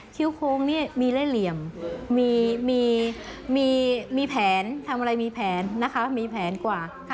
้วโค้งนี่มีเล่เหลี่ยมมีแผนทำอะไรมีแผนนะคะมีแผนกว่า